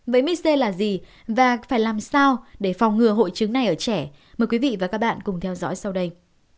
với micê là gì và phải làm sao để phòng ngừa hội chứng này ở trẻ mời quý vị và các bạn cùng theo dõi sau đây